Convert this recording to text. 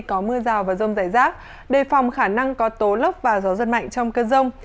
có mưa rào và rông rải rác đề phòng khả năng có tố lốc và gió giật mạnh trong cơn rông